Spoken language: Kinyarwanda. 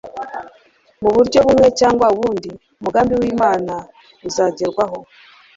Mu buryo bumwe cyangwa ubundi, umugambi w'Imana uzagerwaho.